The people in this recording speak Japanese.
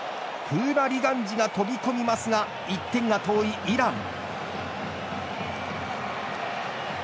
プーラリガンジが飛び込みますが１点が遠いイラン。